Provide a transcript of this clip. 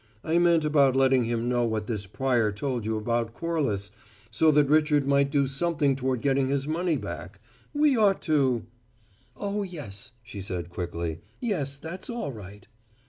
"I meant about letting him know what this Pryor told you about Corliss, so that Richard might do something toward getting his money back. We ought to " "Oh, yes," she said quickly. "Yes, that's all right."